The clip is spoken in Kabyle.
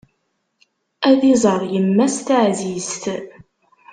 Ad iẓer yemma-s taɛzizt.